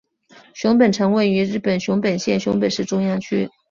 熊本城位于日本熊本县熊本市中央区。